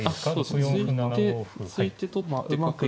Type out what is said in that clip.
突いて突いて取って角行く。